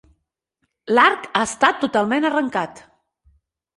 L'arc ha estat totalment arrencat.